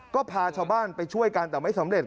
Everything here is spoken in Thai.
ก็พาชาวบ้านไปช่วยกันแต่ไม่สำเร็จ